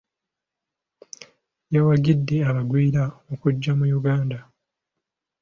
Yawagidde abagwira okujja mu Yuganda.